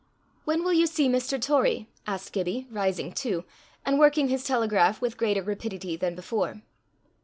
"When will you see Mr. Torrie?" asked Gibbie, rising too, and working his telegraph with greater rapidity than before.